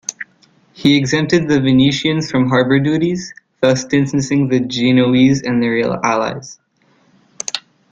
He exempted the Venetians from harbour duties, thus distancing the Genoese and their allies.